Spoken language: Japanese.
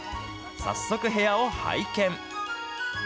早速、部屋を拝見。